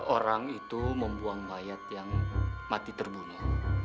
orang itu membuang mayat yang mati terbunuh